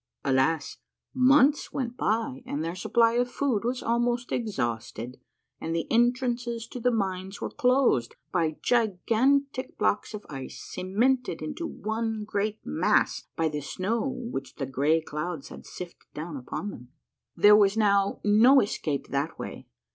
" Alas, months went by and their supply of food was almost exhausted and the entrances to the mines were closed by 116 A MARVELLOUS UNDERGROUND JOURNEY gigantic blocks of ice cemented into one great mass by the snow Avhich the gray clouds had sifted down upon them. " There was now no escape that way.